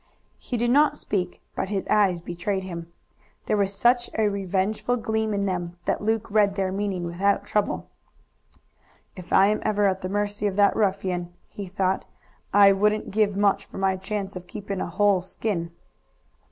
He did not speak, but his eyes betrayed him. There was such a revengeful gleam in them that Luke read their meaning without trouble. "If I am ever at the mercy of that ruffian," he thought, "I wouldn't give much for my chance of keeping a whole skin."